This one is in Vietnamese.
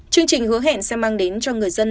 chương trình hứa hẹn sẽ mang đến cho người dân